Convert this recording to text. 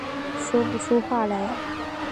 说不出话来